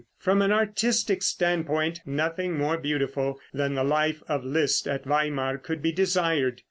From an artistic standpoint, nothing more beautiful than the life of Liszt at Weimar could be desired.